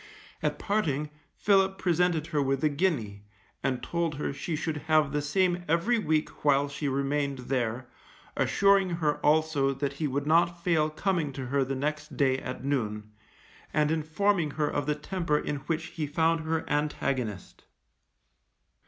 At parting, Philip presented her with a guinea, and told her she should have the same every week while she remained there, assuring her also that he would not fail coming to her the next day at noon, and informing her of the temper in which he found her antagonist.